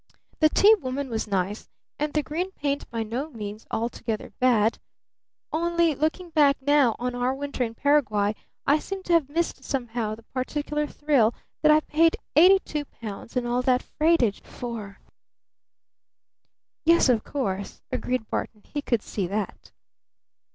"The Tea Woman was nice, and the green paint by no means altogether bad. Only, looking back now on our winter in Paraguay, I seem to have missed somehow the particular thrill that I paid eighty two pounds and all that freightage for." "Yes, of course," agreed Barton. He could see that.